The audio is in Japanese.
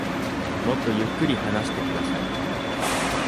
もっとゆっくり話してください。